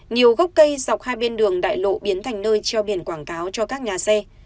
nhiều gốc cây dọc hai bên đường đại lộ biến thành nơi treo biển quảng cáo cho các nhà xe